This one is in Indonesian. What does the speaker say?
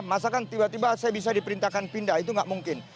masa kan tiba tiba saya bisa diperintahkan pindah itu tidak mungkin